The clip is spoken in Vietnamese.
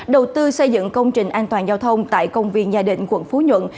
đầu tư xây dựng công trình an toàn giao thông tại công viên gia định quận phú nhuận